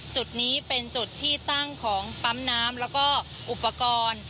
จุดนี้เป็นจุดที่ตั้งของปั๊มน้ำแล้วก็อุปกรณ์